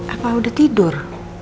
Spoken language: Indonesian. apa udah tidur